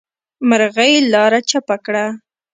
مرغۍ لاره چپه کړه.